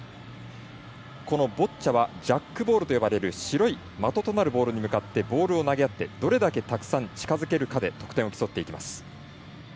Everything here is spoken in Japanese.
このボッチャはジャックボールと呼ばれる白い的となるボールに向かってボールを投げ合ってどれだけたくさん近づけるかで得点を競っていきます。